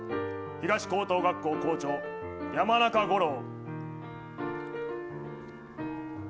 東高等学校、校長、山中五郎。